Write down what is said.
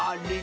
あれ？